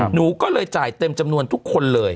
หนูก็เลยจ่ายเต็มจำนวนทุกคนเลย